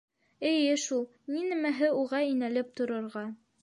— Эйе шул, ни нәмәһе уға инәлеп торорға!